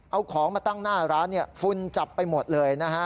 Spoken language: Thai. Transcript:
เอาของมาตั้งหน้าร้านฟุนจับไปหมดเลยนะฮะ